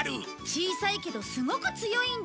小さいけどすごく強いんだ！